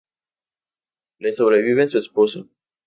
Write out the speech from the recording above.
Le sobreviven su esposo.